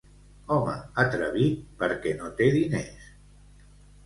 Home atrevit, perquè no té diners.